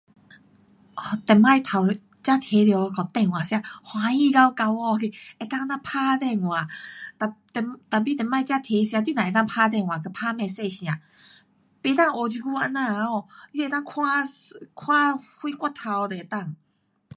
以前头一，才提到电话手机欢喜到到饱去，能够这样打电话，哒，tapi 以前刚提的时间你只能够打电话跟打 message nia，不能像这久这样哦，你能够看，看什骨头都能够。